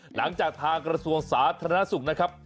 หลังจากทางกระทรวงสาธารณสุขนะครับ